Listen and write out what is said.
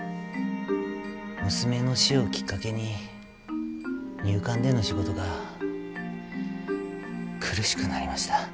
娘の死をきっかけに入管での仕事が苦しくなりました。